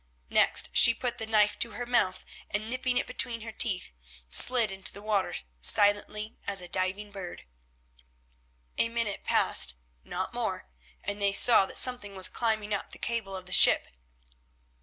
Next she put the knife to her mouth, and, nipping it between her teeth, slid into the water silently as a diving bird. A minute passed, not more, and they saw that something was climbing up the cable of the ship.